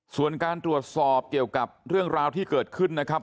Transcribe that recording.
ส่วนการตรวจสอบเกี่ยวกับเรื่องราวที่เกิดขึ้นนะครับ